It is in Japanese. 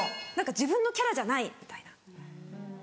自分のキャラじゃないみたいな。